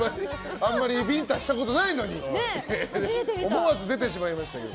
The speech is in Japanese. あんまりビンタしたことないのに思わず出てしまいましたけど。